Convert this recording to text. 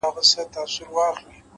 تمرکز بریا ته نږدې کوي؛